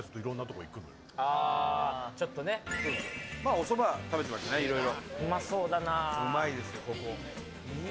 おそば、食べてましたね、いろいろ。